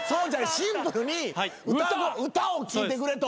シンプルに歌を聴いてくれと。